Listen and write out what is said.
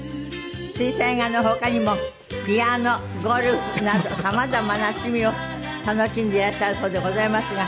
水彩画の他にもピアノゴルフなど様々な趣味を楽しんでいらっしゃるそうでございますが。